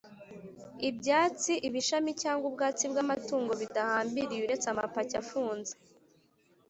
Ibyatsi ibishami cyangwa ubwatsi bw amatungo bidahambiriye uretse amapaki afunze